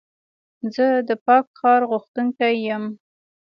زه د پاک ښار غوښتونکی یم.